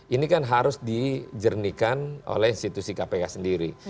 ini kan harus dijernihkan oleh institusi kpk sendiri